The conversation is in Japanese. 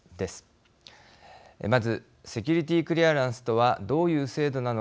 まずセキィリティークリアランスとはどういう制度なのか。